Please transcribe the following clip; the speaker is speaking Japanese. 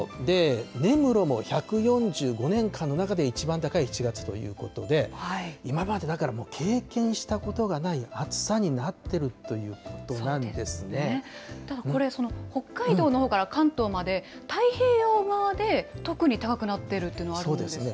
根室も１４５年間で一番高い７月ということで、今までだから経験したことがない暑さになっているということなんこれ、北海道のほうから関東まで、太平洋側で特に高くなっているというのがあるんですよね。